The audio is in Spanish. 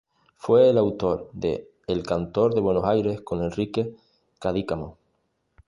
Fue el autor de "El cantor de Buenos Aires", con Enrique Cadícamo.